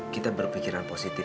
kita berpikiran positif